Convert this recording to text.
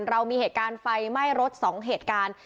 เรามีเหตุการณ์ไฟไหม้รถ๒เหตุการณ์